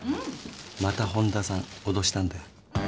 また本田さん脅したんだよ。